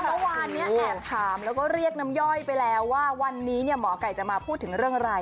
เมื่อวานนี้แอบถามแล้วก็เรียกน้ำย่อยไปแล้วว่าวันนี้หมอไก่จะมาพูดถึงเรื่องอะไร